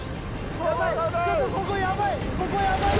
ちょっとここやばい